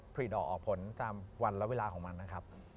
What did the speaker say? ผลีดอกออกผลตามวันและเวลาของมันนะครับ